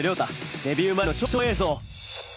デビュー前の超貴重映像。